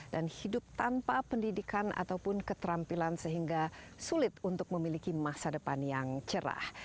dan hidup tanpa pendidikan ataupun keterampilan sehingga sulit untuk memiliki masa depan yang cerah